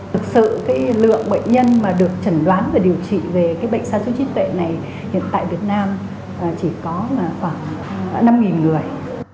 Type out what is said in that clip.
thực sự lượng bệnh nhân mà được chẩn đoán và điều trị về bệnh sa sút trí tuệ này hiện tại việt nam chỉ có khoảng năm người